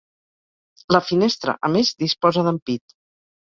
La finestra a més disposa d'ampit.